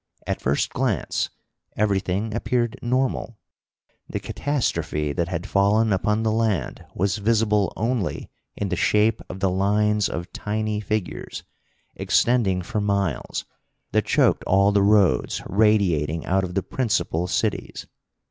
At first glance, everything appeared normal. The catastrophe that had fallen upon the land was visible only in the shape of the lines of tiny figures, extending for miles, that choked all the roads radiating out of the principal cities.